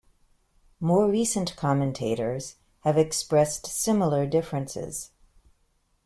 More recent commentators have expressed similar differences.